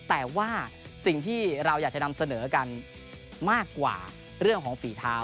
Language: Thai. แต่ว่าสิ่งที่เราอยากจะนำเสนอกันมากกว่าเรื่องของฝีเท้า